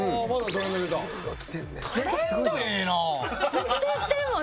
ずっと言ってるもん